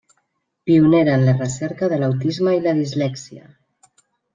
Pionera en la recerca de l'autisme i la dislèxia.